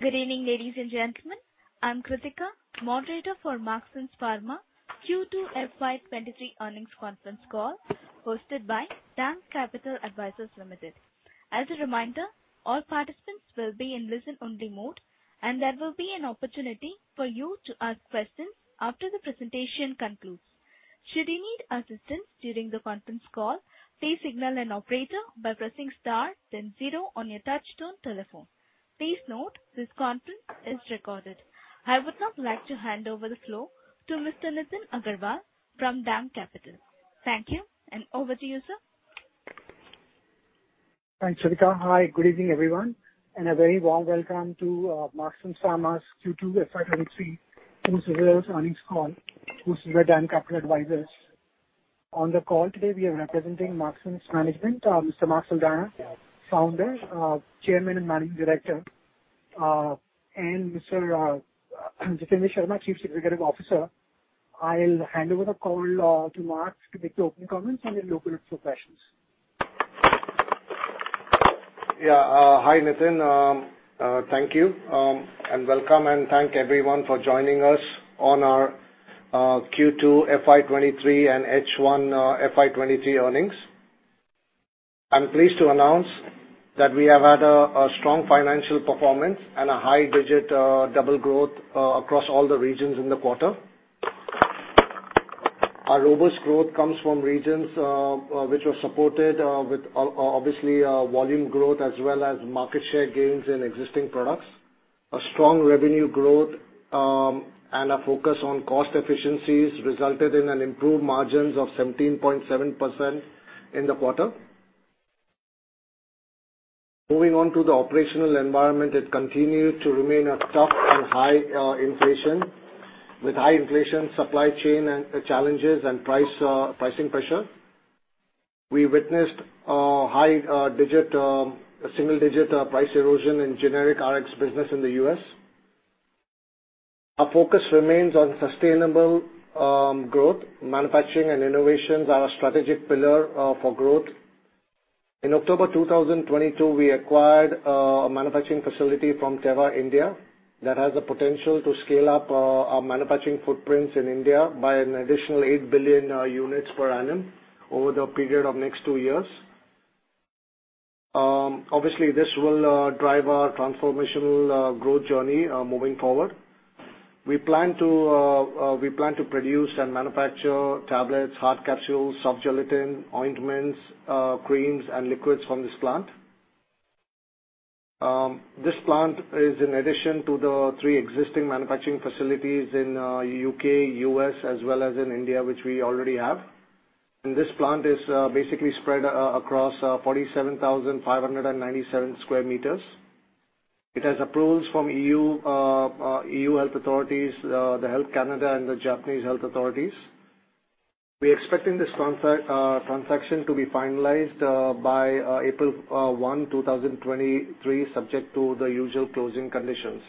Good evening, ladies and gentlemen. I'm Kritika, moderator for Marksans Pharma Q2 FY 2023 Earnings Conference Call, hosted by DAM Capital Advisors Limited. As a reminder, all participants will be in listen-only mode, and there will be an opportunity for you to ask questions after the presentation concludes. Should you need assistance during the conference call, please signal an operator by pressing star then zero on your touchtone telephone. Please note this conference is recorded. I would now like to hand over the floor to Mr. Nitin Agarwal from DAM Capital. Thank you, and over to you, sir. Thanks, Kritika. Hi, good evening, everyone, and a very warm welcome to Marksans Pharma's Q2 FY 2023 earnings call with DAM Capital Advisors. On the call today we are representing Marksans management, Mr. Mark Saldanha, Founder, Chairman and Managing Director, and Mr. Jitendra Sharma, Chief Executive Officer. I'll hand over the call to Mark to make the opening comments, and then we'll open it for questions. Hi, Nitin. Thank you and welcome and thank everyone for joining us on our Q2 FY 2023 and H1 FY 2023 earnings. I'm pleased to announce that we have had a strong financial performance and a high double-digit growth across all the regions in the quarter. Our robust growth comes from regions which were supported with obviously volume growth as well as market share gains in existing products. A strong revenue growth and a focus on cost efficiencies resulted in an improved margins of 17.7% in the quarter. Moving on to the operational environment, it continued to remain a tough and high inflation with high inflation supply chain and challenges and pricing pressure. We witnessed a high single digit price erosion in generic RX business in the U.S. Our focus remains on sustainable growth. Manufacturing and innovations are a strategic pillar for growth. In October 2022, we acquired a manufacturing facility from Teva Pharm India that has the potential to scale up our manufacturing footprints in India by an additional 8 billion units per annum over the period of next two years. Obviously this will drive our transformational growth journey moving forward. We plan to produce and manufacture tablets, hard capsules, soft gelatin, ointments, creams and liquids from this plant. This plant is in addition to the three existing manufacturing facilities in U.K., U.S., as well as in India, which we already have. This plant is basically spread across 47,597 square meters. It has approvals from EU health authorities, the Health Canada and the Japanese health authorities. We're expecting this transaction to be finalized by April 1, 2023, subject to the usual closing conditions.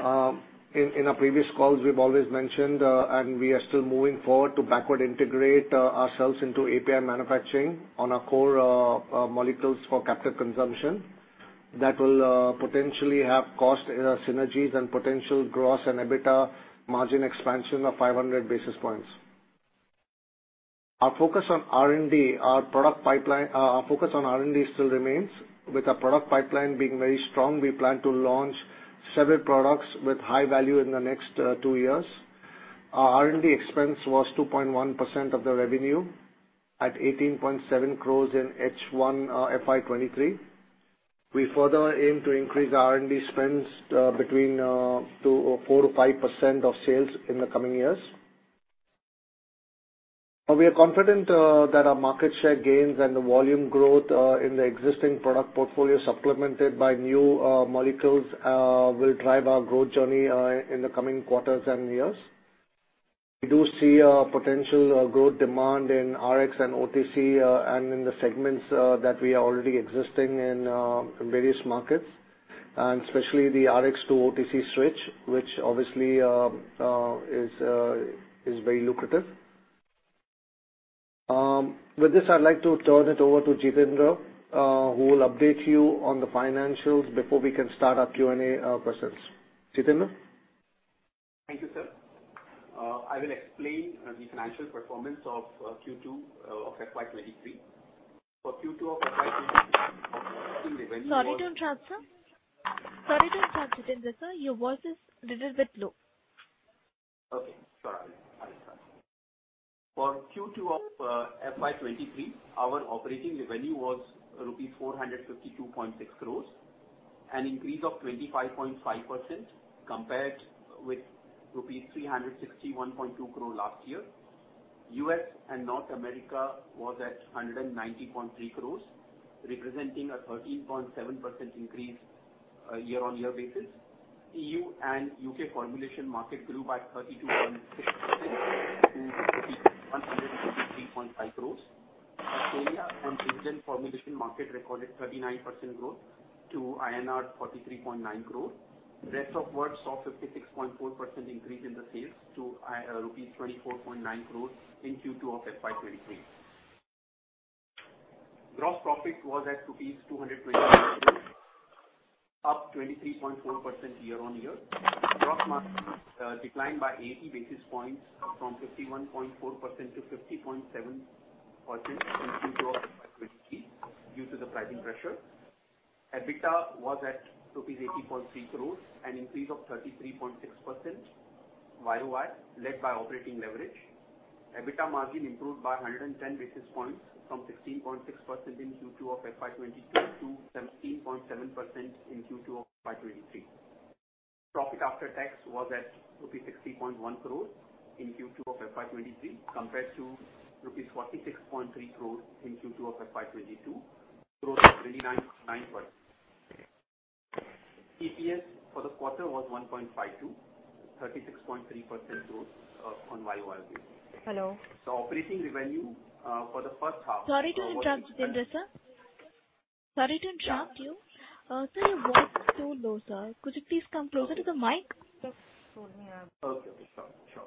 In our previous calls we've always mentioned and we are still moving forward to backward integrate ourselves into API manufacturing on our core molecules for captive consumption. That will potentially have cost synergies and potential gross and EBITDA margin expansion of 500 basis points. Our focus on R&D still remains, with our product pipeline being very strong. We plan to launch several products with high value in the next two years. Our R&D expense was 2.1% of the revenue at 18.7 crores in H1 FY 2023. We further aim to increase R&D spends between 2.4-5% of sales in the coming years. We are confident that our market share gains and the volume growth in the existing product portfolio, supplemented by new molecules, will drive our growth journey in the coming quarters and years. We do see a potential growth demand in RX and OTC and in the segments that we are already existing in in various markets, and especially the RX to OTC switch, which obviously is very lucrative. With this, I'd like to turn it over to Jitendra who will update you on the financials before we can start our Q&A questions. Jitendra? Thank you, sir. I will explain the financial performance of Q2 of FY 2023. For Q2 of FY 2023 our revenue was- Sorry to interrupt, sir. Sorry to interrupt, Jitendra, sir. Your voice is little bit low. Okay. Sure, I will start. For Q2 of FY 2023, our operating revenue was rupees 452.6 crores, an increase of 25.5% compared with rupees 361.2 crore last year. U.S. and North America was at 190.3 crores, representing a 13.7% increase year-on-year basis. EU and U.K. formulation market grew by 32.6% to INR 153.5 crores. Australia and other formulation market recorded 39% growth to INR 43.9 crore. Rest of world saw 56.4% increase in the sales to rupees 24.9 crores in Q2 of FY 2023. Gross profit was at rupees 228 crores, up 23.4% year-on-year. Gross margin declined by 80 basis points from 51.4%-50.7% in Q2 of FY 2023 due to the pricing pressure. EBITDA was at 80.3 crores, an increase of 33.6% YOY, led by operating leverage. EBITDA margin improved by 110 basis points from 16.6% in Q2 of FY 2022 to 17.7% in Q2 of FY 2023. Profit after tax was at rupees 60.1 crores in Q2 of FY 2023 compared to rupees 46.3 crores in Q2 of FY 2022. Growth of 29 point. EPS for the quarter was 1.52, 36.3% growth on YOY basis. Hello. Operating revenue for the first half. Sorry to interrupt, Jitendra, sir. Sorry to interrupt you. Sir, your voice is too low, sir. Could you please come closer to the mic? Okay, sure. Sure.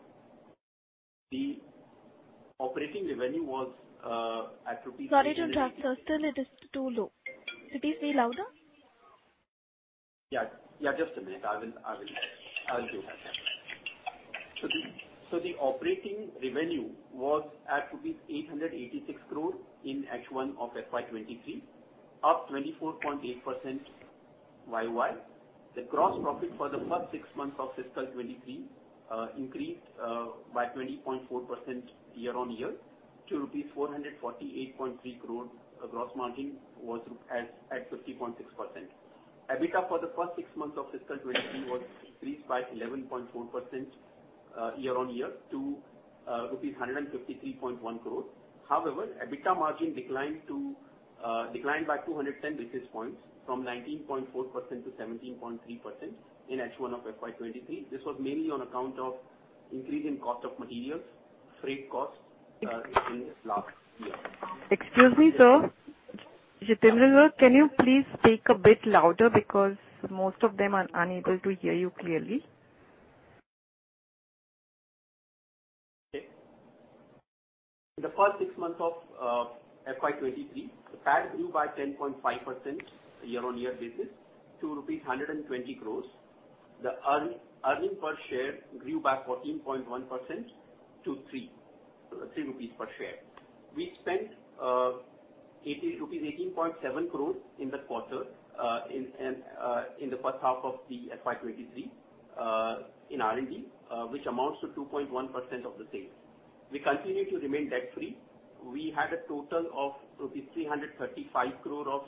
The operating revenue was at rupees- Sorry to interrupt, sir. Still, it is too low. Could you please speak louder? Yeah. Yeah, just a minute. I will do that, yeah. The operating revenue was at rupees 886 crores in H1 of FY 2023, up 24.8% YOY. The gross profit for the first six months of fiscal 2023 increased by 20.4% year-on-year to rupees 448.3 crores. The gross margin was at 50.6%. EBITDA for the first six months of fiscal 2023 increased by 11.4% year-on-year to rupees 153.1 crore. However, EBITDA margin declined by 210 basis points from 19.4% to 17.3% in H1 of FY 2023. This was mainly on account of increase in cost of materials, freight costs, in last year. Excuse me, sir. Jitendra, sir, can you please speak a bit louder because most of them are unable to hear you clearly. Okay. In the first six months of FY 2023, the PAT grew by 10.5% year-on-year basis to rupees 120 crore. The earning per share grew by 14.1% to 3 rupees per share. We spent rupees 18.7 crore in the first half of the FY 2023 in R&D, which amounts to 2.1% of the sales. We continue to remain debt-free. We had a total of rupees 335 crore of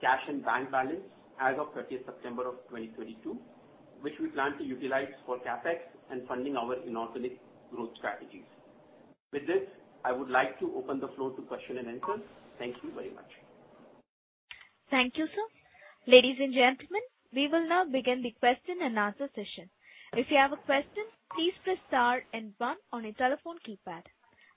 cash and bank balance as of 30th September 2022, which we plan to utilize for CapEx and funding our inorganic growth strategies. With this, I would like to open the floor to questions and answers. Thank you very much. Thank you, sir. Ladies and gentlemen, we will now begin the question and answer session. If you have a question, please press star and one on your telephone keypad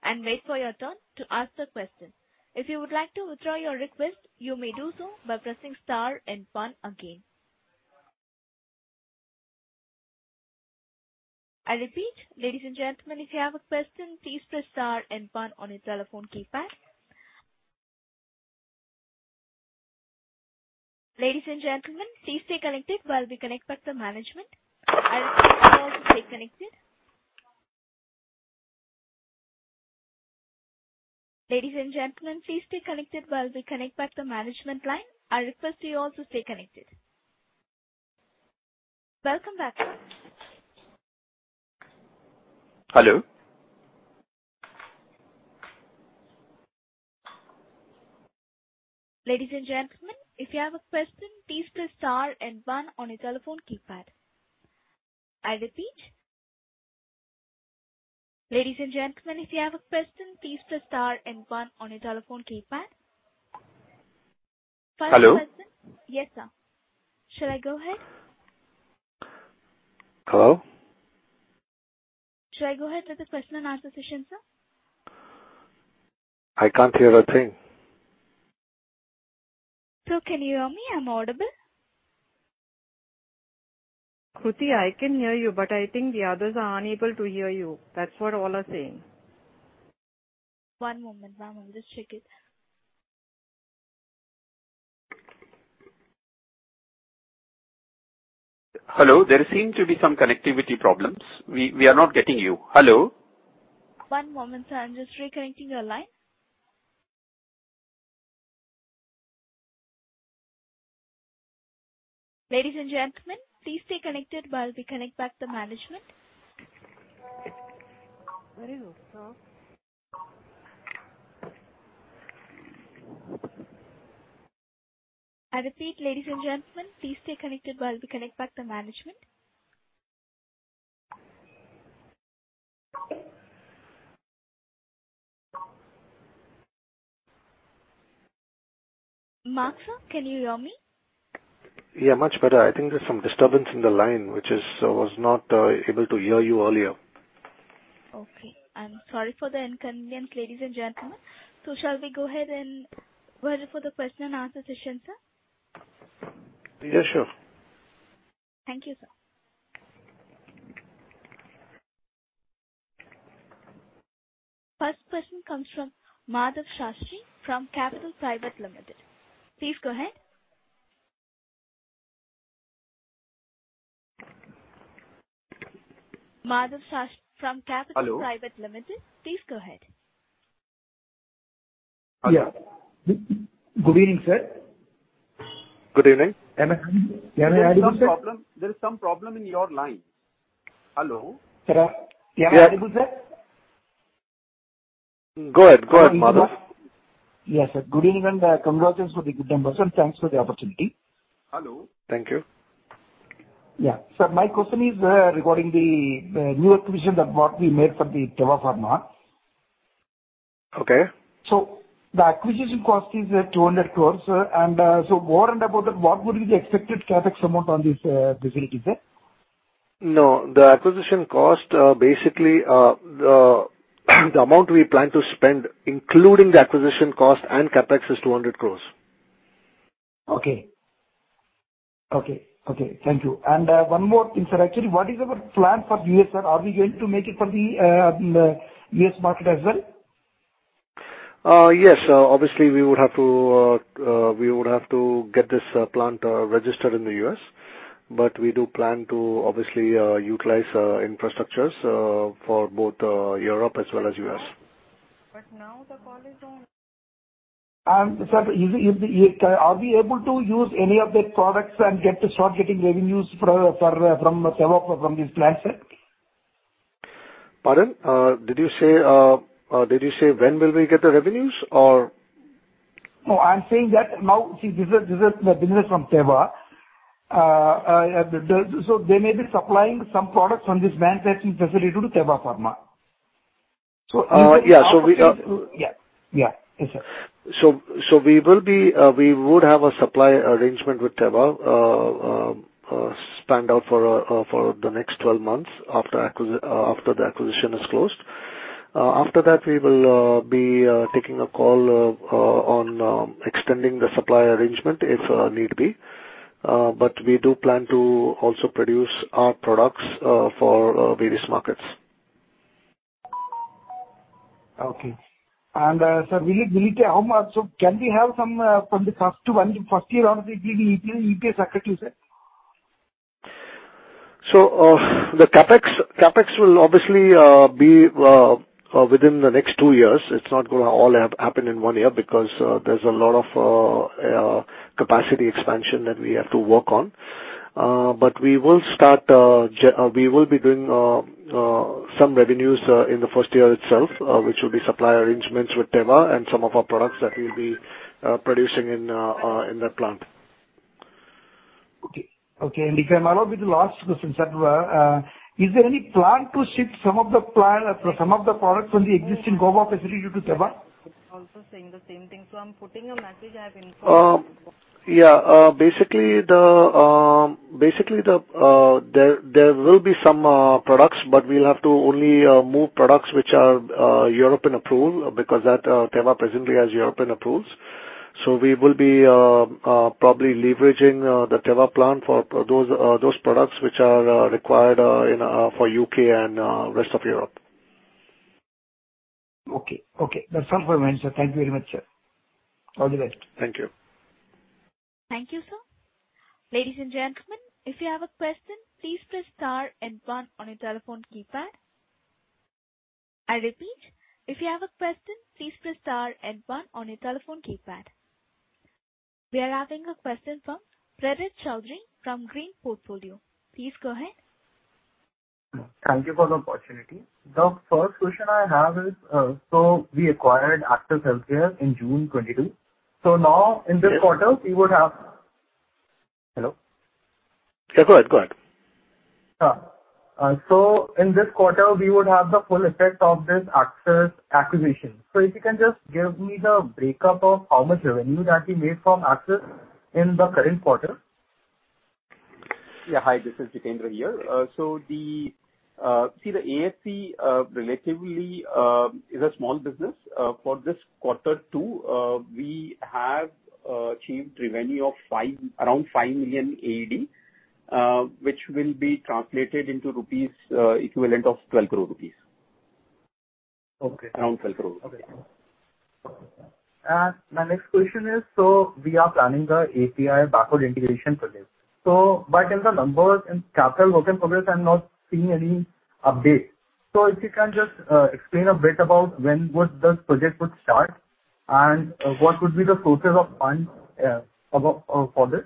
and wait for your turn to ask the question. If you would like to withdraw your request, you may do so by pressing star and one again. I repeat, ladies and gentlemen, if you have a question, please press star and one on your telephone keypad. Ladies and gentlemen, please stay connected while we connect back the management. I request you all to stay connected. Ladies and gentlemen, please stay connected while we connect back the management line. I request you all to stay connected. Welcome back, sir. Hello. Ladies and gentlemen, if you have a question, please press star and one on your telephone keypad. I repeat. Ladies and gentlemen, if you have a question, please press star and one on your telephone keypad. First question- Hello. Yes, sir. Shall I go ahead? Hello? Shall I go ahead with the question and answer session, sir? I can't hear a thing. Sir, can you hear me? Am I audible? Kritika, I can hear you, but I think the others are unable to hear you. That's what all are saying. One moment. Let's check it. Hello. There seem to be some connectivity problems. We are not getting you. Hello? One moment, sir. I'm just reconnecting your line. Ladies and gentlemen, please stay connected while we connect back the management. I repeat. Ladies and gentlemen, please stay connected while we connect back the management. Mark, sir, can you hear me? Yeah, much better. I think there's some disturbance in the line. I was not able to hear you earlier. Okay. I'm sorry for the inconvenience, ladies and gentlemen. Shall we go ahead for the question and answer session, sir? Yes, sure. Thank you, sir. First person comes from Madhav Shastri from Capital Private Limited. Please go ahead. Madhav G from Shastri Capital- Hello. Private Limited. Please go ahead. Yeah. Good evening, sir. Good evening. Can I hear you, sir? There is some problem in your line. Hello? Sir, can I? Yeah. I hear you, sir? Go ahead. Go ahead, Madhav. Yes, sir. Good evening, and congratulations for the good numbers and thanks for the opportunity. Hello. Thank you. Yeah. My question is regarding the new acquisition that we made from Teva. Okay. The acquisition cost is 200 crores. More about that, what would be the expected CapEx amount on this facility there? No, the acquisition cost, basically, the amount we plan to spend, including the aquisition cost and CapEx is 200 crores. Okay. Thank you. One more thing, sir. Actually, what is our plan for the U.S., sir? Are we going to make it for the U.S. market as well? Yes. Obviously we would have to get this plant registered in the U.S. We do plan to obviously utilize infrastructures for both Europe as well as U.S. Now the call is on. Sir, are we able to use any of the products and get to start getting revenues from this plant, sir? Pardon? Did you say when will we get the revenues or? No, I'm saying that now, see, this is the business from Teva. They may be supplying some products from this manufacturing facility to Teva. Yeah. We Yeah. Yeah. Yes, sir. We would have a supply arrangement with Teva for the next 12 months after the acquisition is closed. After that, we will be taking a call on extending the supply arrangement if need be. We do plan to also produce our products for various markets. Okay. Sir, can we have some from the first one, first year of the EBITDA, sir? The CapEx will obviously be within the next two years. It's not gonna all have happen in one year because there's a lot of capacity expansion that we have to work on. We will be doing some revenues in the first year itself, which will be supply arrangements with Teva and some of our products that we'll be producing in that plant. Okay. If I may be allowed with the last question, sir. Is there any plan to shift some of the plant or some of the products from the existing Goa facility to Teva? Also saying the same thing, so I'm putting a message I have in front. Basically, there will be some products, but we'll have to only move products which are European approved because that Teva presently has European approvals. We will be probably leveraging the Teva plant for those products which are required for U.K. and rest of Europe. Okay. Okay. That's all for me, sir. Thank you very much, sir. All the best. Thank you. Thank you, sir. Ladies and gentlemen, if you have a question, please press star and one on your telephone keypad. I repeat, if you have a question, please press star and one on your telephone keypad. We are having a question from Prerit Choudhary from Green Portfolio. Please go ahead. Thank you for the opportunity. The first question I have is, so we acquired Access Healthcare in June 2022. Now in this quarter we would have. Hello? Yeah, go ahead. Go ahead. In this quarter, we would have the full effect of this Access acquisition. If you can just give me the break-up of how much revenue that we made from Access in the current quarter. Hi, this is Jitendra here. The ASC relatively is a small business. For this quarter too, we have achieved revenue of around 5 million AED, which will be translated into rupees equivalent of 12 crore rupees. Okay. Around 12 crore. Okay. My next question is, we are planning the API backward integration project. But in the numbers and capital work in progress, I'm not seeing any update. If you can just explain a bit about when would this project would start and what would be the sources of funds above for this?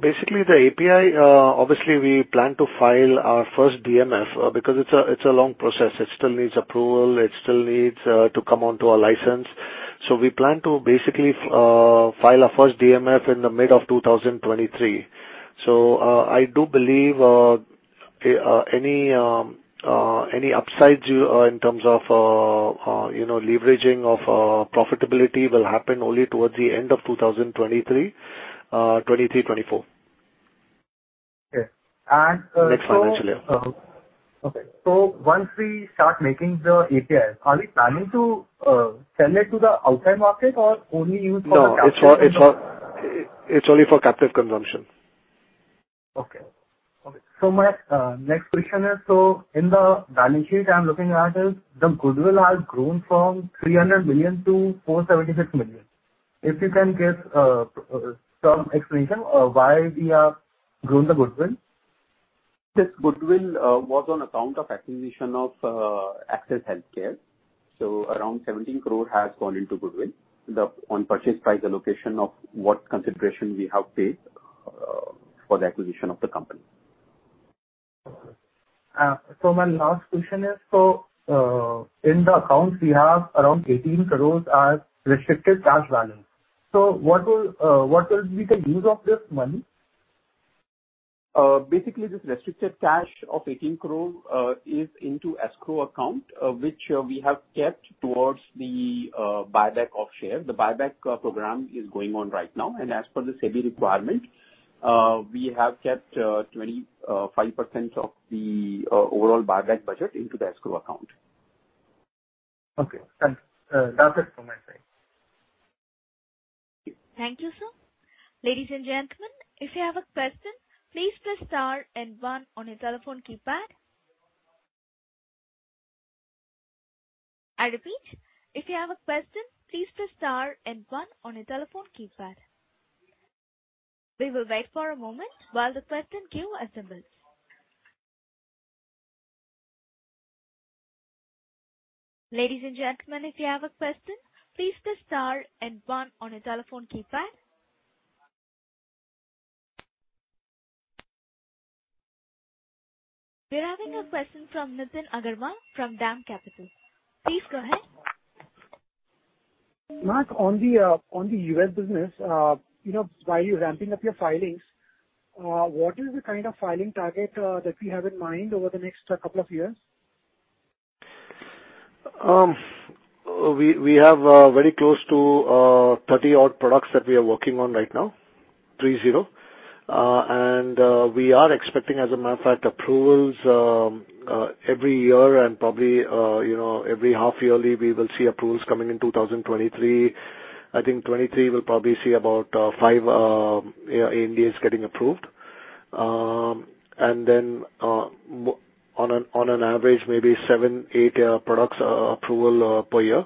Basically the API, obviously we plan to file our first DMF, because it's a long process. It still needs approval. It still needs to come onto our license. We plan to basically file our first DMF in the mid of 2023. I do believe any upsides in terms of you know leveraging of profitability will happen only towards the end of 2023-24. Okay. Next financial year. Once we start making the API, are we planning to sell it to the outside market or only use for the capital- It's only for captive consumption. Okay. My next question is, so in the balance sheet I'm looking at is the goodwill has grown from 300 million-476 million. If you can give some explanation of why we have grown the goodwill. This goodwill was on account of acquisition of Access Healthcare, so around 17 crore has gone into goodwill. On purchase price allocation of what consideration we have paid, for the acquisition of the company. My last question is, in the accounts, we have around 18 crore as restricted cash balance. What will be the use of this money? Basically this restricted cash of 18 crore is into escrow account, which we have kept towards the buyback of share. The buyback program is going on right now, and as per the SEBI requirement, we have kept 25% of the overall buyback budget into the escrow account. Okay, thanks. That's it from my side. Thank you, sir. Ladies and gentlemen, if you have a question, please press star and one on your telephone keypad. I repeat, if you have a question, please press star and one on your telephone keypad. We will wait for a moment while the question queue assembles. Ladies and gentlemen, if you have a question, please press star and one on your telephone keypad. We're having a question from Nitin Agarwal from DAM Capital. Please go ahead. Mark, on the U.S. business, you know, while you're ramping up your filings, what is the kind of filing target that we have in mind over the next couple of years? We have very close to 30-odd products that we are working on right now. 30. We are expecting, as a matter of fact, approvals every year and probably, you know, every half yearly we will see approvals coming in 2023. I think 2023 we'll probably see about five, yeah, ANDAs getting approved. On an average, maybe seven, eight product approvals per year.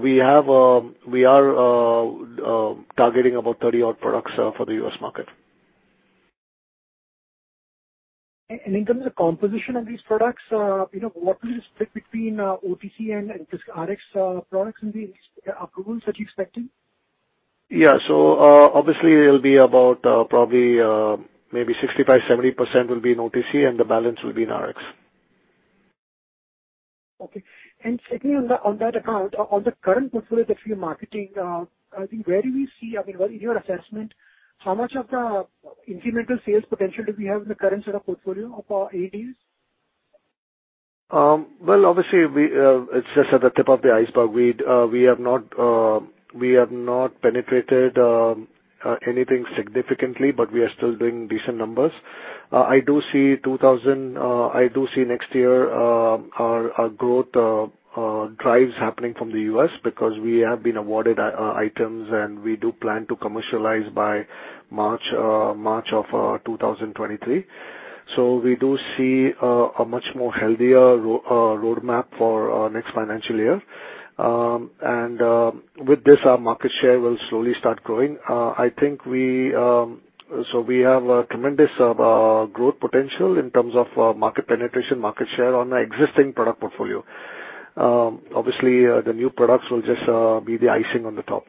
We are targeting about 30-odd products for the U.S. market. In terms of composition of these products, you know, what is the split between OTC and this RX products in these approvals that you're expecting? Obviously it'll be about probably maybe 65%-70% will be in OTC and the balance will be in RX. Okay. Secondly, on that account, on the current portfolio that you're marketing, I think where do we see, I mean, in your assessment, how much of the incremental sales potential do we have in the current sort of portfolio of ANDAs? Well, obviously we, it's just at the tip of the iceberg. We'd we have not penetrated anything significantly, but we are still doing decent numbers. I do see next year our growth drives happening from the U.S. because we have been awarded items, and we do plan to commercialize by March of 2023. We do see a much more healthier roadmap for our next financial year. With this, our market share will slowly start growing. I think we we have a tremendous growth potential in terms of market penetration, market share on our existing product portfolio. Obviously, the new products will just be the icing on the top.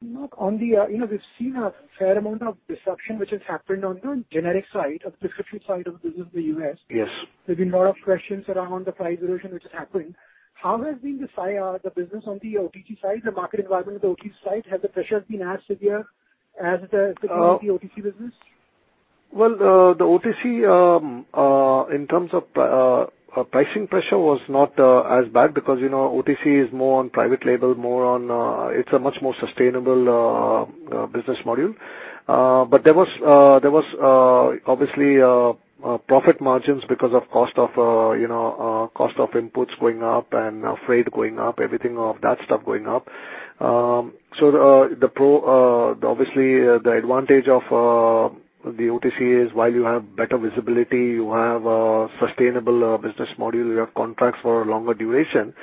Mark, on the you know, we've seen a fair amount of disruption which has happened on the generic side, or the prescription side of the business in the U.S. Yes. There's been a lot of questions around the price erosion which is happening. How has been the business on the OTC side, the market environment on the OTC side? Has the pressure been as severe as the Uh- The OTC business? Well, the OTC, in terms of pricing pressure was not as bad because, you know, OTC is more on private label, more on, it's a much more sustainable business model. There was obviously profit margins because of cost of, you know, cost of inputs going up and, freight going up, everything of that stuff going up. Obviously the advantage of the OTC is while you have better visibility, you have a sustainable business model, you have contracts for a longer duration.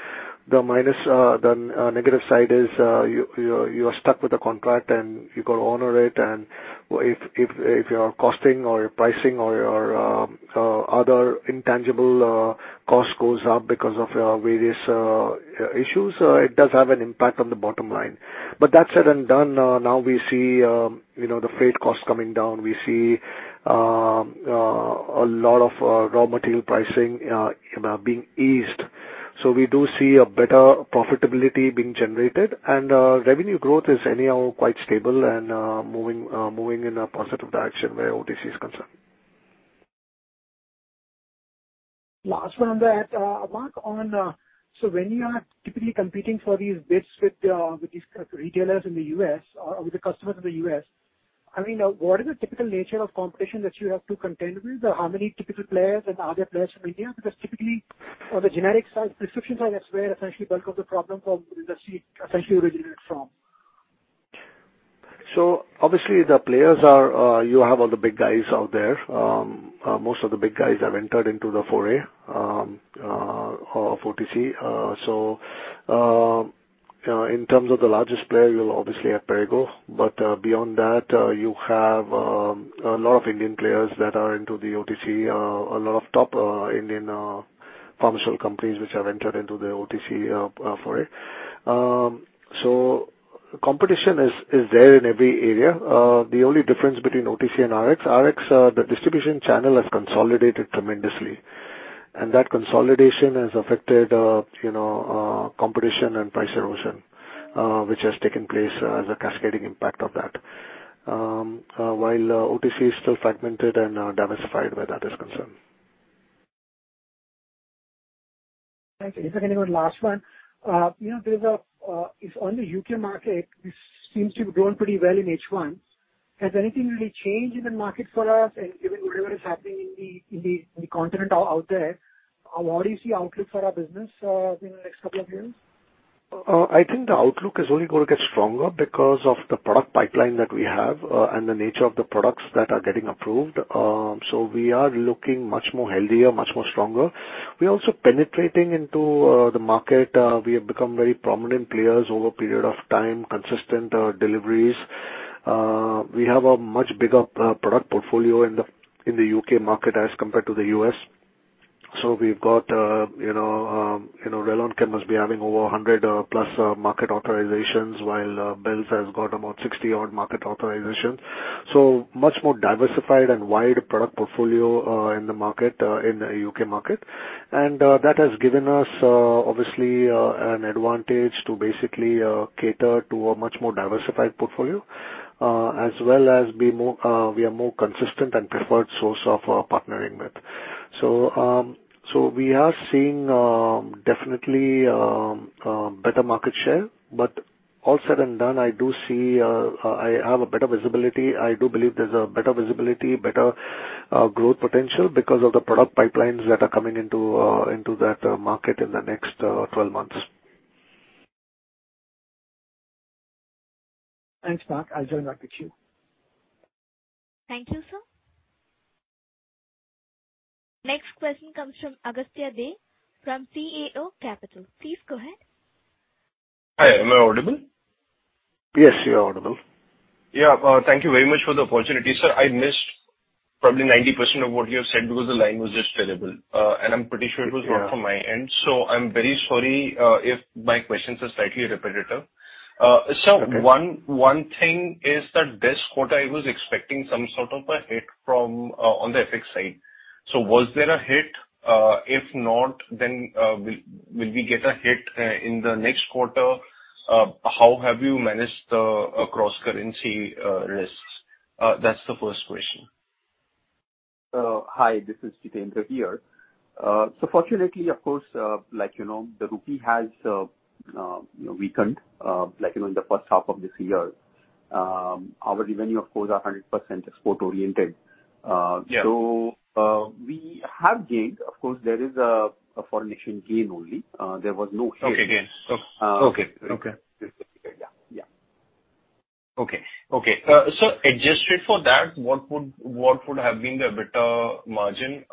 The negative side is you are stuck with the contract and you gotta honor it and if your costing or your pricing or your other intangible cost goes up because of various issues, it does have an impact on the bottom line. That said and done, now we see, you know, the freight costs coming down. We see a lot of raw material pricing being eased. We do see a better profitability being generated and revenue growth is anyhow quite stable and moving in a positive direction where OTC is concerned. Last one there. Mark, on, so when you are typically competing for these bids with these retailers in the U.S. or with the customers in the U.S. I mean, what is the typical nature of competition that you have to contend with? How many typical players and are there players from India? Because typically on the generic side, prescription side, that's where essentially bulk of the problem from industry essentially originates from. Obviously the players are, you have all the big guys out there. Most of the big guys have entered into the foray of OTC. In terms of the largest player, you'll obviously have Perrigo, but beyond that, you have a lot of Indian players that are into the OTC. A lot of top Indian pharmaceutical companies which have entered into the OTC foray. Competition is there in every area. The only difference between OTC and RX the distribution channel has consolidated tremendously. That consolidation has affected you know competition and price erosion which has taken place as a cascading impact of that. While OTC is still fragmented and diversified where that is concerned. Thanks. If I can have one last one. You know, there's a if on the U.K. market, which seems to be growing pretty well in H1, has anything really changed in the market for us given whatever is happening in the continent out there? What is the outlook for our business in the next couple of years? I think the outlook is only gonna get stronger because of the product pipeline that we have and the nature of the products that are getting approved. We are looking much more healthier, much more stronger. We're also penetrating into the market. We have become very prominent players over a period of time, consistent deliveries. We have a much bigger product portfolio in the U.K. market as compared to the U.S. We've got, you know, you know, RelonChem must be having over 100 plus market authorizations, while Bell's has got about 60-odd market authorizations. Much more diversified and wide product portfolio in the market in the U.K. market. That has given us obviously an advantage to basically cater to a much more diversified portfolio as well as we are more consistent and preferred source of partnering with. We are seeing definitely better market share. All said and done, I do see. I have a better visibility. I do believe there's a better visibility, better growth potential because of the product pipelines that are coming into that market in the next 12 months. Thanks, Mark. I'll join back with you. Thank you, sir. Next question comes from Agastya Dave from CAO Capital. Please go ahead. Hi. Am I audible? Yes, you are audible. Yeah. Thank you very much for the opportunity. Sir, I missed probably 90% of what you have said because the line was just terrible. I'm pretty sure it was. Yeah. Not from my end. I'm very sorry if my questions are slightly repetitive. Okay. One thing is that this quarter I was expecting some sort of a hit from on the FX side. So was there a hit? If not, then will we get a hit in the next quarter? How have you managed the cross-currency risks? That's the first question. Hi. This is Jitendra here. Fortunately, of course, like, you know, the rupee has, you know, weakened, like, you know, in the first half of this year. Our revenue, of course, are 100% export-oriented. Yeah. We have gained. Of course, there is a foreign exchange gain only. There was no hit. Okay. Okay. Uh. Okay. Okay. Yeah. Yeah. Okay, adjusted for that, what would have been the better margin?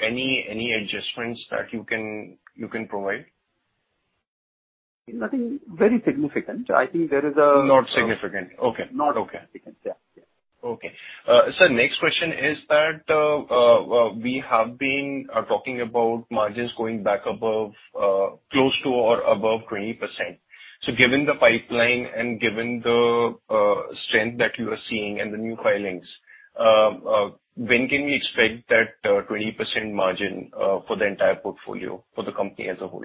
Any adjustments that you can provide? Nothing very significant. I think there is. Not significant. Okay. Not significant. Okay. Yeah. Yeah. Okay. Sir, next question is that we have been talking about margins going back above close to or above 20%. Given the pipeline and given the strength that you are seeing and the new filings, when can we expect that 20% margin for the entire portfolio for the company as a whole?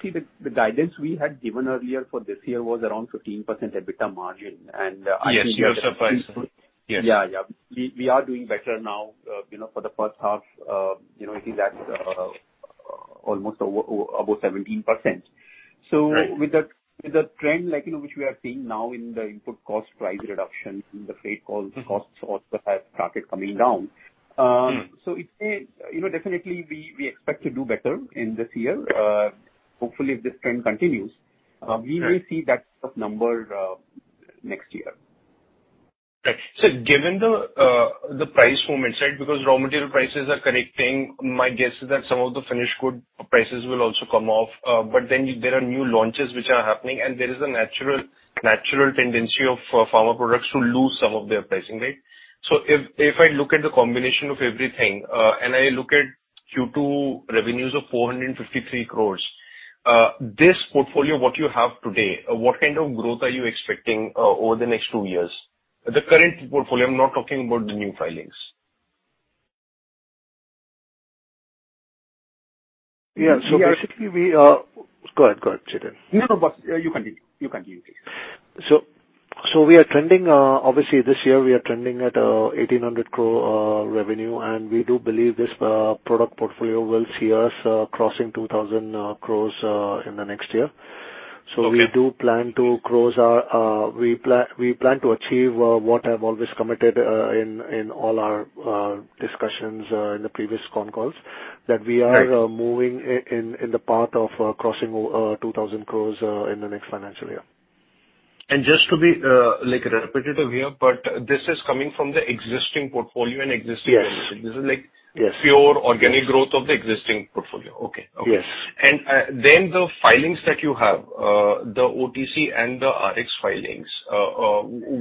See the guidance we had given earlier for this year was around 15% EBITDA margin. I think that Yes, you have surpassed. Yes. Yeah. We are doing better now. You know, for the first half, you know, I think that's almost over 17%. Right. With the trend like, you know, which we are seeing now in the input cost price reduction, in the freight costs. Mm-hmm. Also have started coming down. Mm-hmm. It's, you know, definitely we expect to do better in this year. Hopefully if this trend continues. Right. We may see that number next year. Right. Given the price movement, right, because raw material prices are correcting, my guess is that some of the finished good prices will also come off. But then there are new launches which are happening, and there is a natural tendency of pharma products to lose some of their pricing, right? If I look at the combination of everything, and I look at Q2 revenues of 453 crores, this portfolio, what you have today, what kind of growth are you expecting over the next two years? The current portfolio, I'm not talking about the new filings. Yeah. Basically we, Go ahead. Go ahead, Jitendra. No, no, but you continue. You continue please. We are trending, obviously this year we are trending at 1,800 crore revenue, and we do believe this product portfolio will see us crossing 2,000 crores in the next year. Okay. We plan to achieve what I've always committed in all our discussions in the previous con calls. Right. That we are moving in the path of crossing 2,000 crores in the next financial year. Just to be like repetitive here, but this is coming from the existing portfolio and existing. Yes. -business. This is like- Yes. Pure organic growth of the existing portfolio. Okay. Yes. Then the filings that you have, the OTC and the RX filings,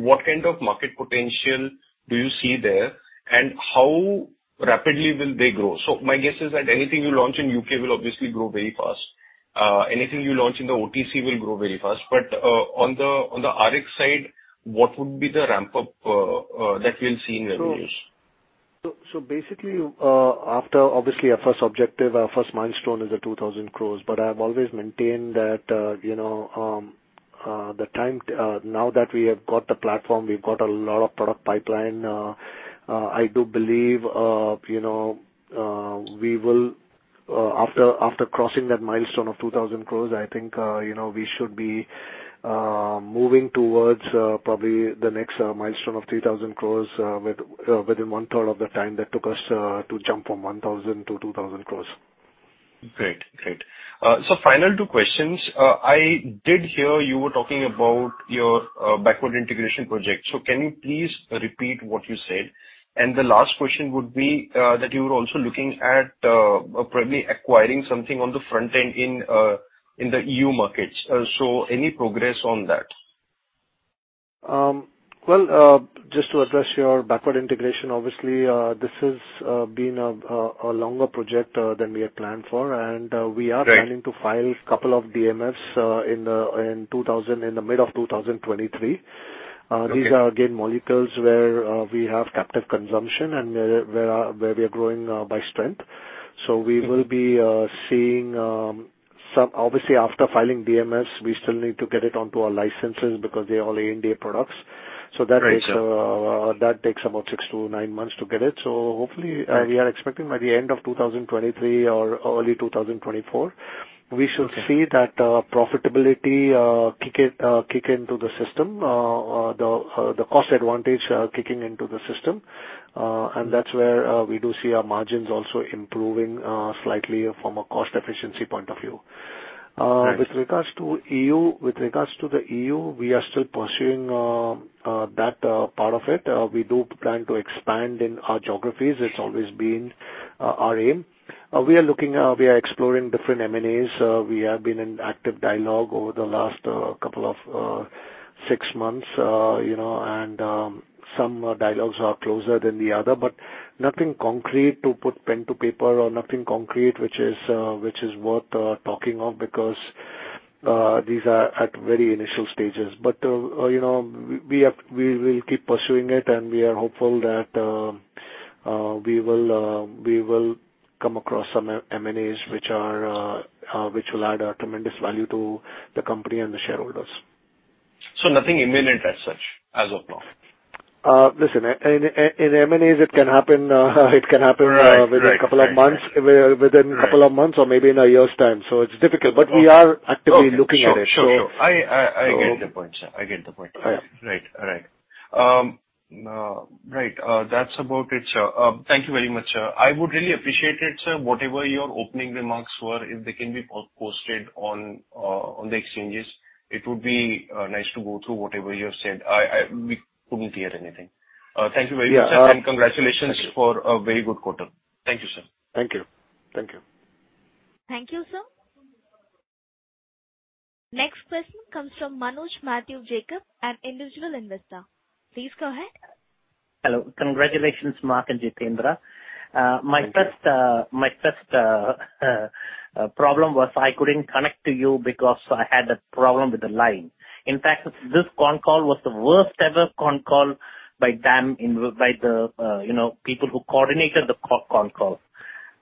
what kind of market potential do you see there, and how rapidly will they grow? My guess is that anything you launch in U.K. will obviously grow very fast. Anything you launch in the OTC will grow very fast. On the RX side, what would be the ramp-up that we'll see in revenues? Basically, after obviously our first objective, our first milestone is the 2,000 crore, but I've always maintained that, you know, the time, now that we have got the platform, we've got a lot of product pipeline. I do believe, you know, we will, after crossing that milestone of 2,000 crore, I think, you know, we should be moving towards probably the next milestone of 3,000 crore, within one third of the time that took us to jump from 1,000 to 2,000 crore. Great, final two questions. I did hear you were talking about your backward integration project. Can you please repeat what you said? The last question would be that you were also looking at probably acquiring something on the front end in the EU markets. Any progress on that? Well, just to address your backward integration, obviously, this has been a longer project than we had planned for, and Right. We are planning to file a couple of DMFs in the mid of 2023. Okay. These are again molecules where we have captive consumption and where we are growing by strength. We will be seeing some. Obviously, after filing DMFs, we still need to get it onto our licenses because they are all ANDA products. Right, sure. That takes about six to nine months to get it. Hopefully Right. We are expecting by the end of 2023 or early 2024, we should see that profitability kick into the system, the cost advantage kicking into the system. That's where we do see our margins also improving slightly from a cost efficiency point of view. Right. With regards to the EU, we are still pursuing that part of it. We do plan to expand in our geographies. It's always been our aim. We are looking, we are exploring different M&As. We have been in active dialogue over the last six months, you know, and some dialogues are closer than others, but nothing concrete to put pen to paper, which is worth talking of because these are at very initial stages. You know, we will keep pursuing it and we are hopeful that we will come across some M&As which will add a tremendous value to the company and the shareholders. Nothing imminent as such as of now? Listen, in M&As it can happen. Right. Within a couple of months or maybe in a year's time. It's difficult, but we are actively looking at it. Okay. Sure. So- I get the point, sir. I get the point. Yeah. Right. All right. That's about it, sir. Thank you very much, sir. I would really appreciate it, sir, whatever your opening remarks were, if they can be posted on the exchanges. It would be nice to go through whatever you have said. We couldn't hear anything. Thank you very much, sir. Yeah. Congratulations. Thank you. For a very good quarter. Thank you, sir. Thank you. Thank you. Thank you, sir. Next question comes from Manuj Mathew, an individual investor. Please go ahead. Hello. Congratulations, Mark and Jitendra. My first problem was I couldn't connect to you because I had a problem with the line. In fact, this con call was the worst ever con call by DAM, you know, the people who coordinated the con call.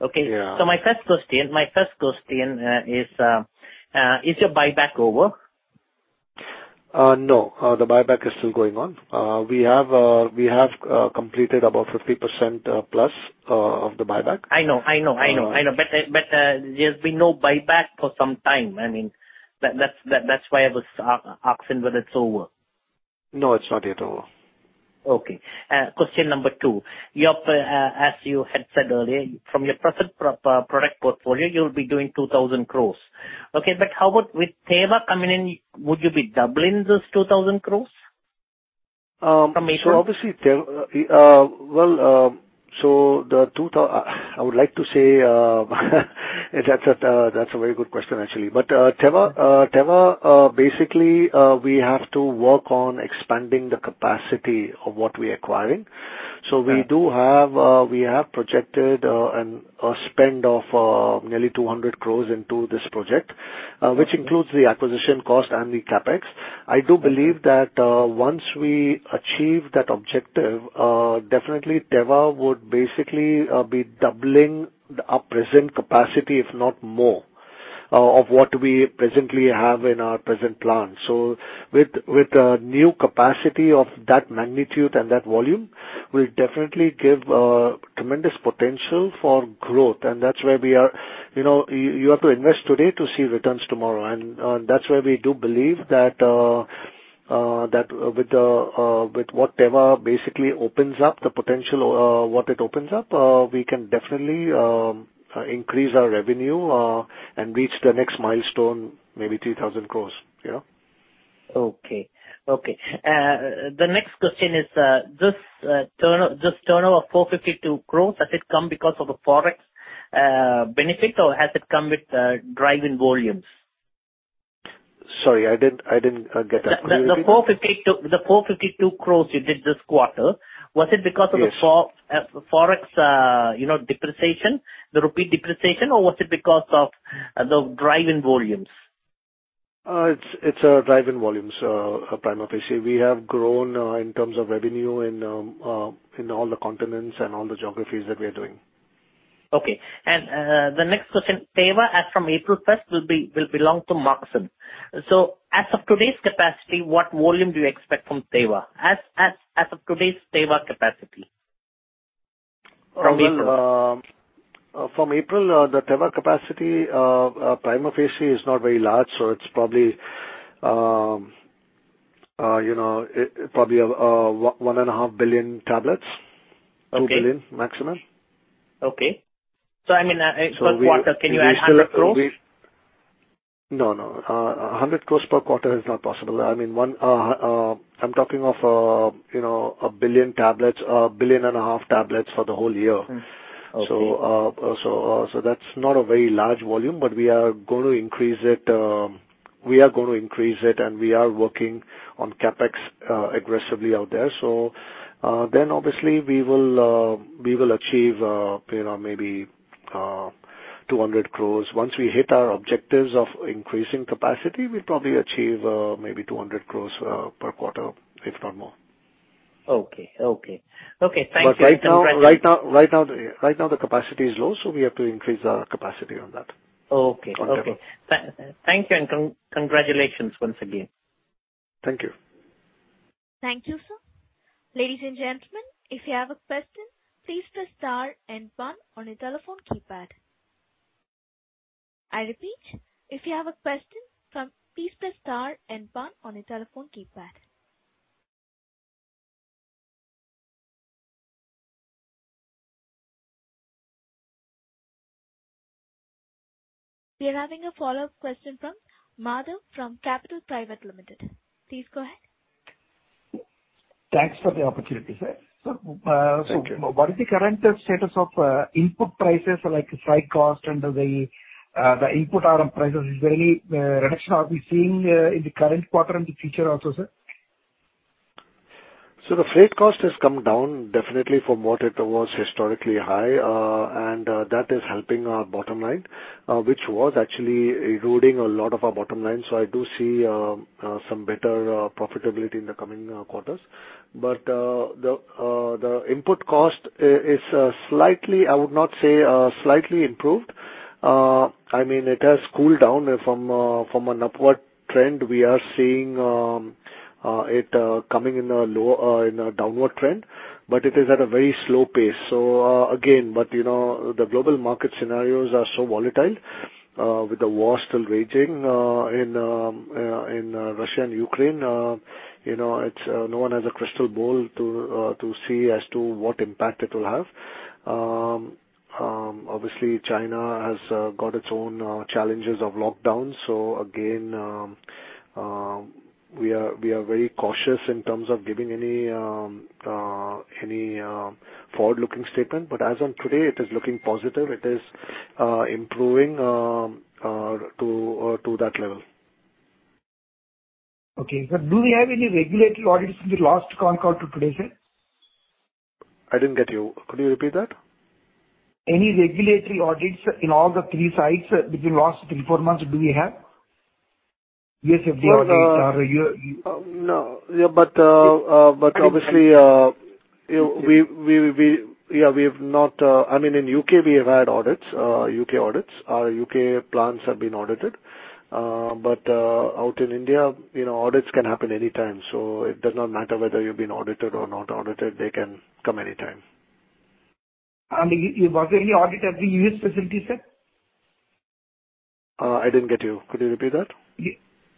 Okay? Yeah. My first question is your buyback over? No. The buyback is still going on. We have completed about 50% plus of the buyback. I know. There's been no buyback for some time. I mean, that's why I was asking whether it's over. No, it's not yet over. Okay. Question number two. As you had said earlier, from your present product portfolio, you'll be doing 2,000 crore. Okay, but with Teva coming in, would you be doubling this 2,000 crore? Obviously Teva. From- I would like to say, that's a very good question actually. Teva basically, we have to work on expanding the capacity of what we're acquiring. Right. We have projected a spend of nearly 200 crore into this project. Okay. which includes the acquisition cost and the CapEx. Okay. I do believe that once we achieve that objective, definitely Teva would basically be doubling our present capacity if not more of what we presently have in our present plan. With a new capacity of that magnitude and that volume, it will definitely give tremendous potential for growth. That's where we are. You know, you have to invest today to see returns tomorrow. That's why we do believe that with what Teva basically opens up, the potential it opens up, we can definitely increase our revenue and reach the next milestone, maybe 3,000 crores, you know. The next question is, this turnover of 452 crore, has it come because of the Forex benefit or has it come with driven volumes? Sorry, I didn't get that. Can you repeat? the 452 crore you did this quarter, was it because of the- Yes. Forex, you know, depreciation, the rupee depreciation, or was it because of the driven volumes? It's driven by volumes, prima facie. We have grown in terms of revenue in all the continents and all the geographies that we are doing. The next question, Teva, as from April first will belong to Marksans. As of today's capacity, what volume do you expect from Teva? As of today's Teva capacity from April. Well, from April, the Teva capacity prima facie is not very large, so it's probably, you know, 1.5 billion tablets. Okay. 2 billion maximum. Okay. I mean, it's per quarter. Can you add 100 crores? No, no. 100 crores per quarter is not possible. I mean, I'm talking of, you know, 1 billion tablets, 1.5 billion tablets for the whole year. Okay. That's not a very large volume, but we are gonna increase it and we are working on CapEx aggressively out there. Obviously we will achieve, you know, maybe 200 crores. Once we hit our objectives of increasing capacity, we'll probably achieve maybe 200 crores per quarter, if not more. Okay, thank you. Right now the capacity is low, so we have to increase our capacity on that. Okay. On Teva. Thank you, and congratulations once again. Thank you. Thank you, sir. Ladies and gentlemen, if you have a question, please press star and one on your telephone keypad. I repeat, if you have a question, please press star and one on your telephone keypad. We are having a follow-up question from Madhav from Capital Private Limited. Please go ahead. Thanks for the opportunity, sir. Thank you. What is the current status of input prices like freight cost and the input item prices? Is there any reduction are we seeing in the current quarter and the future also, sir? The freight cost has come down definitely from what it was historically high, and that is helping our bottom line, which was actually eroding a lot of our bottom line. I do see some better profitability in the coming quarters. The input cost is slightly, I would not say slightly, improved. I mean, it has cooled down from an upward trend. We are seeing it in a downward trend, but it is at a very slow pace. You know, the global market scenarios are so volatile with the war still raging in Russia and Ukraine. You know, it's no one has a crystal ball to see as to what impact it will have. Obviously China has got its own challenges of lockdown. Again, we are very cautious in terms of giving any forward-looking statement. As on today, it is looking positive. It is improving to that level. Okay. Do we have any regulatory audits in the last con call to today, sir? I didn't get you. Could you repeat that? Any regulatory audits in all the three sites between last three to four months, do we have? USFDA or- No. Yeah, but I mean. Obviously, yeah, we have not. I mean, in U.K. we have had audits, U.K. audits. Our U.K. plants have been audited. Out in India, you know, audits can happen anytime, so it does not matter whether you've been audited or not audited, they can come anytime. Was there any audit at the U.S. facility, sir? I didn't get you. Could you repeat that?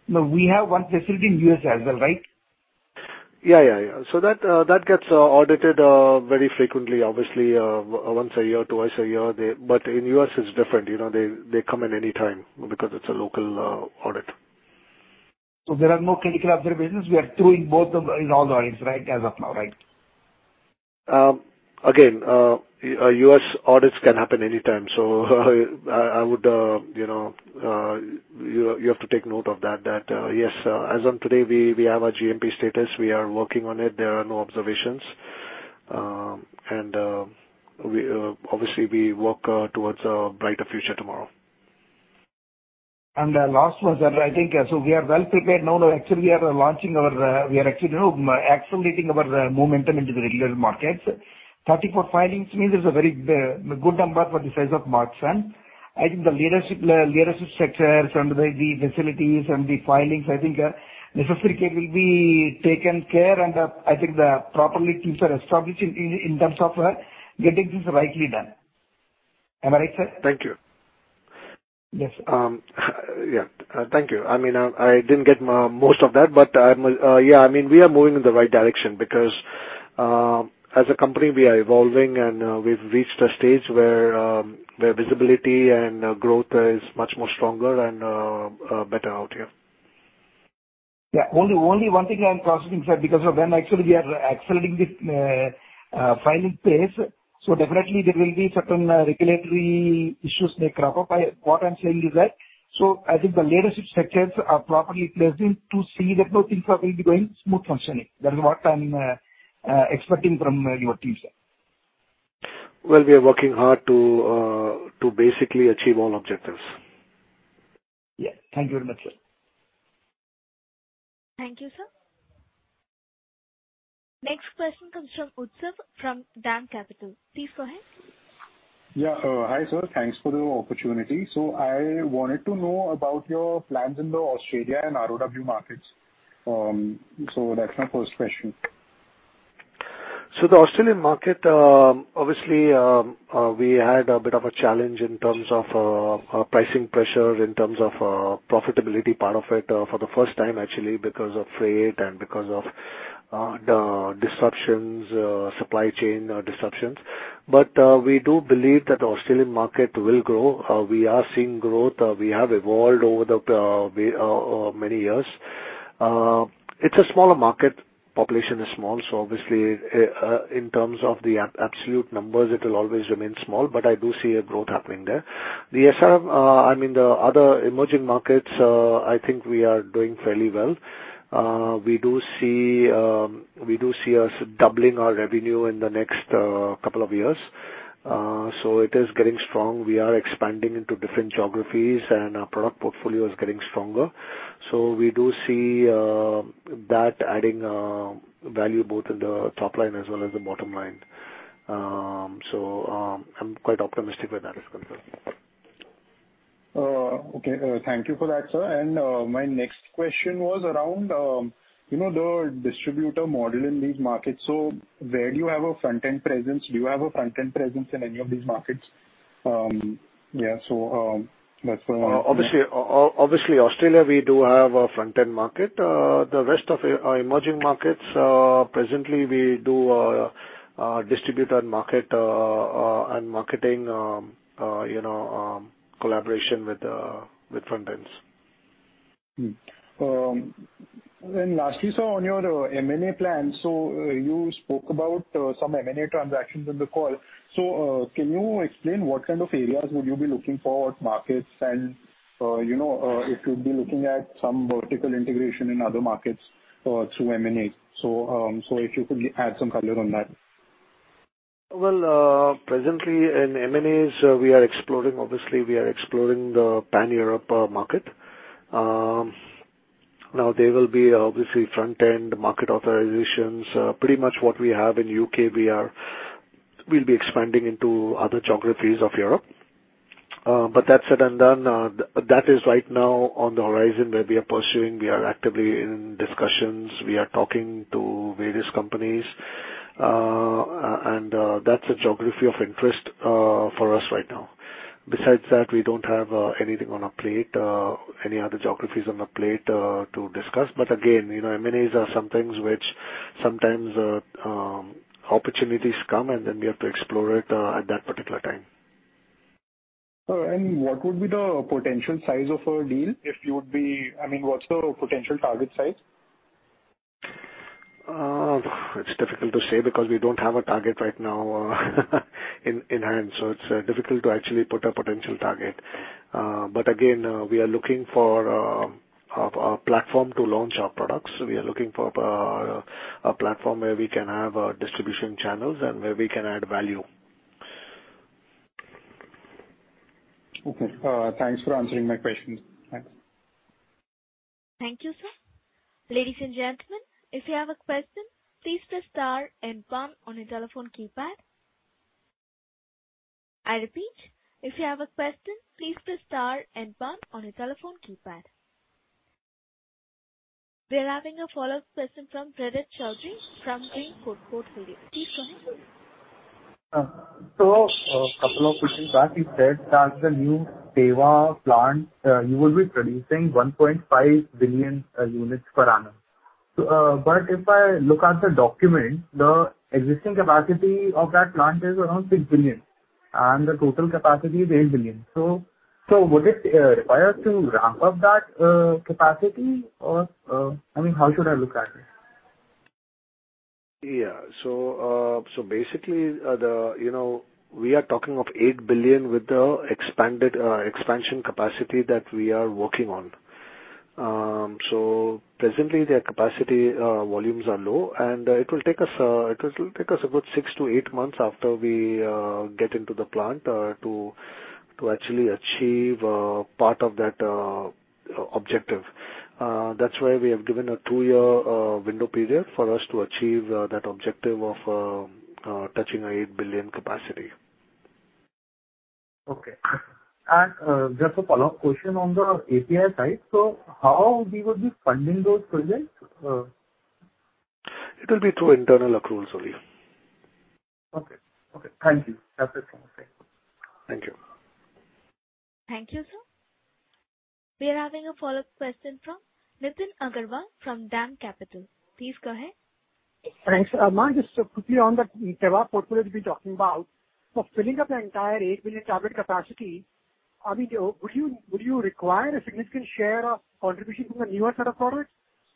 No, we have one facility in U.S. as well, right? Yeah. That gets audited very frequently, obviously, once a year, twice a year. In U.S. it's different. You know, they come in any time because it's a local audit. There are no clinical observation. We are doing both of, in all the audits, right? As of now, right? Again, U.S. audits can happen anytime. I would, you know, you have to take note of that. Yes, as of today, we have our GMP status. We are working on it. There are no observations. We obviously work towards a brighter future tomorrow. Last was that I think, so we are well prepared now. Actually we are launching our, we are actually now accelerating our momentum into the regular markets. 34 filings means there's a very good number for the size of Marksans. I think the leadership structures and the facilities and the filings, I think, necessary care will be taken and, I think the proper things are established in terms of, getting this rightly done. Am I right, sir? Thank you. Yes. Yeah. Thank you. I mean, I didn't get most of that, but I'm. Yeah, I mean, we are moving in the right direction because, as a company, we are evolving and, we've reached a stage where visibility and growth is much more stronger and better out here. Only one thing I'm crossing fingers because when actually we are accelerating this filing phase, so definitely there will be certain regulatory issues may crop up. What I'm saying is that I think the leadership structures are properly placed in to see that those things are going to be going smooth functioning. That is what I'm expecting from your team, sir. Well, we are working hard to basically achieve all objectives. Yeah. Thank you very much, sir. Thank you, sir. Next question comes from Utsav from DAM Capital. Please go ahead. Yeah. Hi, sir. Thanks for the opportunity. I wanted to know about your plans in the Australia and ROW markets. That's my first question. The Australian market, obviously, we had a bit of a challenge in terms of our pricing pressure, in terms of profitability part of it, for the first time actually because of freight and because of the disruptions, supply chain disruptions. We do believe that the Australian market will grow. We are seeing growth. We have evolved over the many years. It's a smaller market. Population is small, so obviously, in terms of the absolute numbers, it'll always remain small, but I do see a growth happening there. The ROW, I mean, the other emerging markets, I think we are doing fairly well. We do see us doubling our revenue in the next couple of years. It is getting strong. We are expanding into different geographies, and our product portfolio is getting stronger. We do see that adding value both in the top line as well as the bottom line. I'm quite optimistic where that is concerned. Okay. Thank you for that, sir. My next question was around, you know, the distributor model in these markets. Where do you have a front-end presence? Do you have a front-end presence in any of these markets? Yeah, that's what I wanted to know. Obviously, Australia, we do have a front-end market. The rest of our emerging markets, presently we do distribute our market and marketing, you know, collaboration with front ends. Lastly, sir, on your M&A plan, you spoke about some M&A transactions in the call. Can you explain what kind of areas would you be looking for, what markets and, you know, if you'd be looking at some vertical integration in other markets through M&A? If you could add some color on that. Well, presently in M&As, we are exploring, obviously, the Pan-European market. Now there will be obviously front end market authorizations. Pretty much what we have in U.K., we'll be expanding into other geographies of Europe. That said and done, that is right now on the horizon where we are pursuing. We are actively in discussions. We are talking to various companies. That's a geography of interest for us right now. Besides that, we don't have anything on our plate, any other geographies on our plate to discuss. Again, you know, M&As are some things which sometimes opportunities come and then we have to explore it at that particular time. Sir, what would be the potential size of a deal? I mean, what's the potential target size? It's difficult to say because we don't have a target right now in hand, so it's difficult to actually put a potential target. Again, we are looking for a platform to launch our products. We are looking for a platform where we can have distribution channels and where we can add value. Okay. Thanks for answering my questions. Thanks. Thank you, sir. Ladies and gentlemen, if you have a question, please press star and one on your telephone keypad. I repeat, if you have a question, please press star and one on your telephone keypad. We're having a follow-up question from Prerit Choudhary from Green Portfolio. Please go ahead. A couple of questions back, you said that the new Teva plant, you will be producing 1.5 billion units per annum. But if I look at the document, the existing capacity of that plant is around 6 billion, and the total capacity is 8 billion. Would it require to ramp up that capacity or, I mean, how should I look at it? Basically, you know, we are talking of 8 billion with the expanded expansion capacity that we are working on. Presently their capacity volumes are low, and it will take us a good six to eight months after we get into the plant to actually achieve part of that objective. That's why we have given a two-year window period for us to achieve that objective of touching 8 billion capacity. Okay. Just a follow-up question on the API side. How we will be funding those projects? It will be through internal accruals only. Okay. Thank you. That's it from my side. Thank you. Thank you, sir. We are having a follow-up question from Nitin Agarwal from DAM Capital. Please go ahead. Thanks. Mayur, just quickly on the Teva portfolio you've been talking about, for filling up the entire 8 billion tablet capacity, I mean, would you require a significant share of contribution from the newer set of products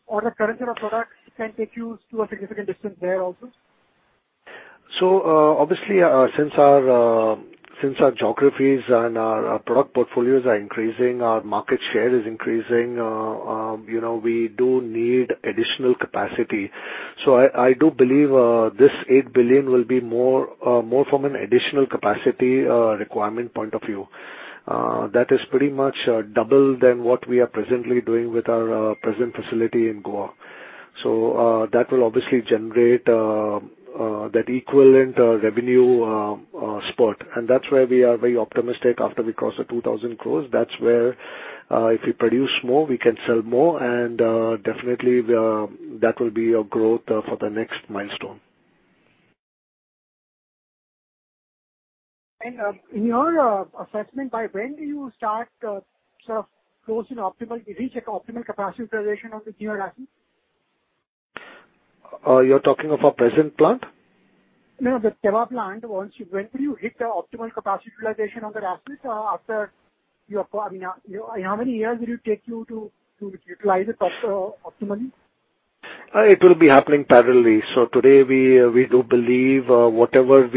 or the current set of products can take you to a significant distance there also? Obviously, since our geographies and our product portfolios are increasing, our market share is increasing, you know, we do need additional capacity. I do believe this 8 billion will be more from an additional capacity requirement point of view. That is pretty much double than what we are presently doing with our present facility in Goa. That will obviously generate that equivalent revenue spot. That's where we are very optimistic after we cross the 2,000 crore. That's where if we produce more, we can sell more and definitely that will be a growth for the next milestone. In your assessment, by when do you start reach an optimal capacity utilization of the Teva asset? You're talking of our present plant? No, the Teva plant. When will you hit the optimal capacity utilization of that asset, after you acquire it? I mean, how many years will it take you to utilize it optimally? It will be happening parallelly. Today we do believe whatever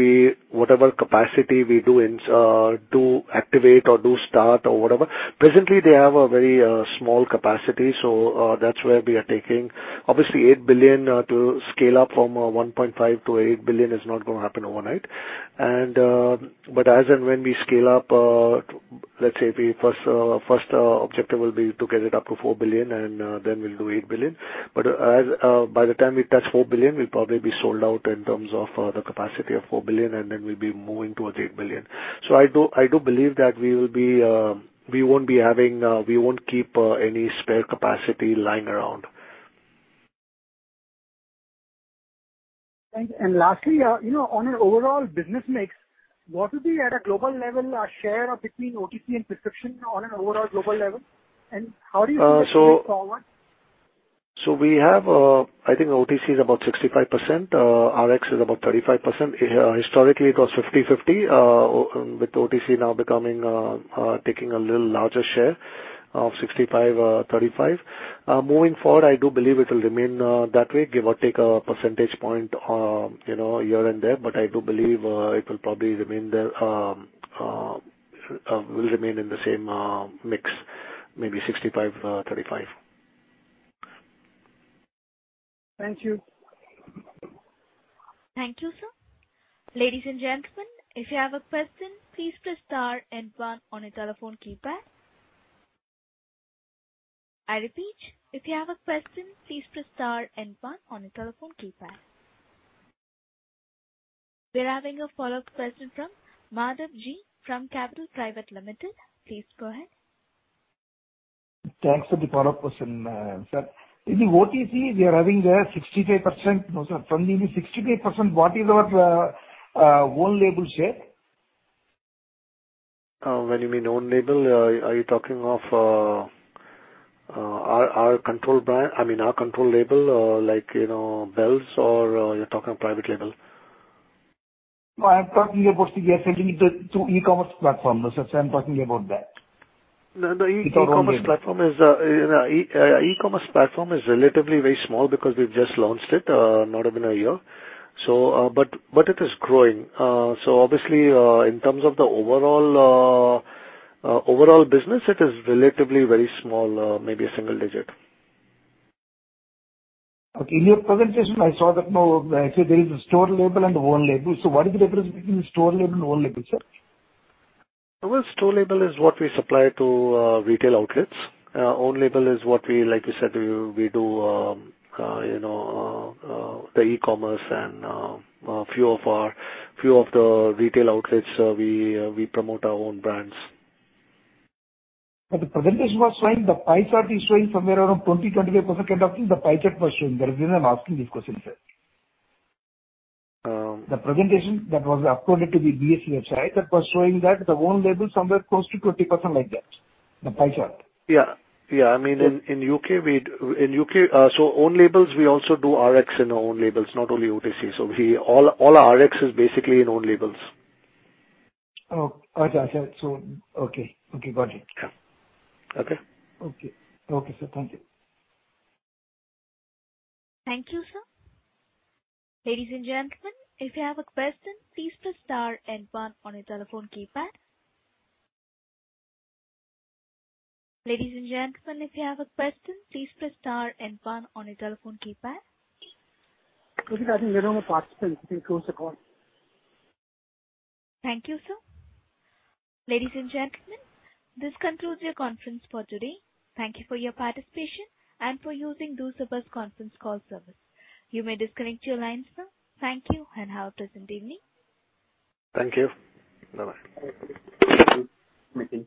capacity we do activate or do start or whatever, presently they have a very small capacity, so that's where we are taking. Obviously, 8 billion to scale up from 1.5- 8 billion is not gonna happen overnight. As and when we scale up, let's say the first objective will be to get it up to 4 billion, and then we'll do 8 billion. As, by the time we touch 4 billion, we'll probably be sold out in terms of the capacity of 4 billion, and then we'll be moving towards 8 billion. I do believe that we won't keep any spare capacity lying around. Lastly, you know, on an overall business mix, what will be at a global level, share of between OTC and prescription on an overall global level? How do you see this going forward? I think OTC is about 65%, RX is about 35%. Historically, it was 50-50, with OTC now taking a little larger share of 65-35. Moving forward, I do believe it will remain that way, give or take a percentage point, you know, here and there, but I do believe it will probably remain there, will remain in the same mix, maybe 65-35. Thank you. Thank you, sir. Ladies and gentlemen, if you have a question, please press star and one on your telephone keypad. I repeat, if you have a question, please press star and one on your telephone keypad. We are having a follow-up question from Madhav G. from Shastri Capital Private Limited. Please go ahead. Thanks for the follow-up question, sir. In the OTC, we are having there 65%. No, sir. From the 65%, what is our own label share? When you mean own label, are you talking of our controlled brand, I mean, our controlled label, like, you know, Bell's, or you're talking of private label? No, I'm talking about the FMCG, the two e-commerce platform. I'm talking about that. No, no. E-commerce. You know, e-commerce platform is relatively very small because we've just launched it, not even a year. It is growing. Obviously, in terms of the overall business, it is relatively very small, maybe a single digit. Okay. In your presentation, I saw that, no, actually there is a store label and own label. What is the difference between store label and own label, sir? Well, store label is what we supply to retail outlets. Own label is what we, like we said, we do the e-commerce and a few of the retail outlets, we promote our own brands. The presentation was showing, the pie chart is showing somewhere around 20%-25%, I think the pie chart was showing. The reason I'm asking this question, sir. Um- The presentation that was uploaded to the BSE website that was showing that the own label somewhere close to 20% like that. The pie chart. Yeah. I mean, in U.K., so own labels, we also do RX in our own labels, not only OTC. All our RX is basically in own labels. Oh, gotcha. Okay, got it. Yeah. Okay. Okay, sir. Thank you. Thank you, sir. Ladies and gentlemen, if you have a question, please press star and one on your telephone keypad. Okay, I think there are no participants. You can close the call. Thank you, sir. Ladies and gentlemen, this concludes your conference for today. Thank you for your participation and for using Chorus Call conference call service. You may disconnect your lines now. Thank you, and have a pleasant evening. Thank you. Bye-bye. Thank you.